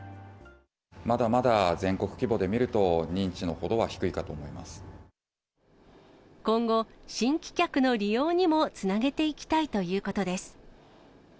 まだまだ全国規模で見ると、今後、新規客の利用にもつなげていきたいということです。